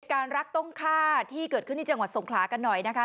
รักต้องฆ่าที่เกิดขึ้นที่จังหวัดสงขลากันหน่อยนะคะ